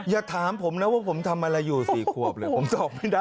อย่าถามผมนะว่าผมทำอะไรอยู่๔ขวบเลยผมตอบไม่ได้